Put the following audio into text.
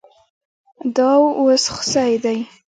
دا وز خسي دی